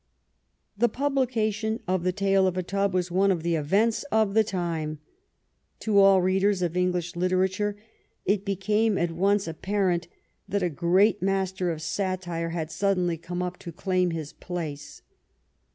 The publication of the Tale of a Tub was one of the events of the time. To all readers of English literature it became at once apparent that a great master of satire had suddenly come up to claim his place.